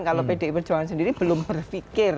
kalau pdip perjuangan sendiri belum berfikir